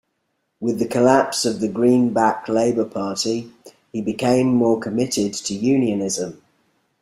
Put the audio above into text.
With the collapse of the Greenback Labor Party, he became more committed to unionism.